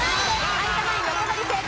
有田ナイン横取り成功。